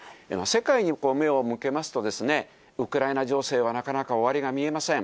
世界に目を向けますと、ウクライナ情勢はなかなか終わりが見えません。